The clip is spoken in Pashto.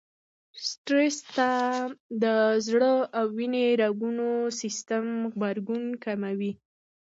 سټرس ته د زړه او وينې رګونو سيستم غبرګون کموي.